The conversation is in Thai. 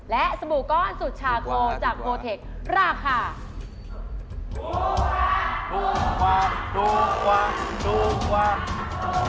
และสบู่ก้อนสุชาโกจากโอเทคราคาถูกกว่าถูกกว่าถูกกว่า